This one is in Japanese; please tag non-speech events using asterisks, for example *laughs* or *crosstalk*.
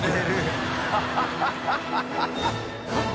ハハハ *laughs*